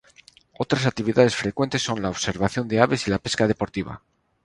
Otras actividades frecuentes son la observación de aves y la pesca deportiva.